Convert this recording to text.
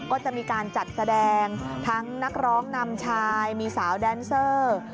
ก็จะมีการจัดแสดงทั้งนักร้องนำชายมีสาวแดนเซอร์